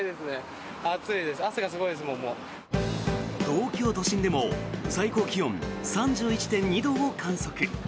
東京都心でも最高気温３１．２度を観測。